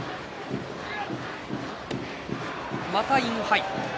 またインハイ。